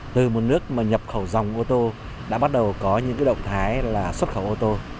từ một nước mà nhập khẩu dòng ô tô đã bắt đầu có những động thái là xuất khẩu ô tô